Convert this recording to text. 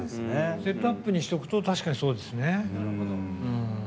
セットアップにしておくと確かにそうですね。